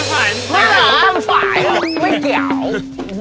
ไม่เกี่ยว